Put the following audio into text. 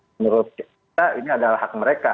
menurut kita ini adalah hak mereka